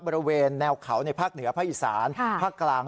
บริเวณแนวเขาในภาคเหนือภาคอีสานภาคกลาง